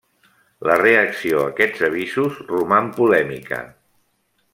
La reacció a aquests avisos roman polèmica.